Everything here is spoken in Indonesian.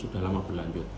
sudah lama berlanjut